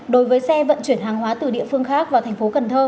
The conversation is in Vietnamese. đối với xe vận chuyển hàng hóa từ địa phương khác vào tp cn